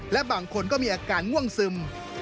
และบางคนก็มีอาการง่วงซึม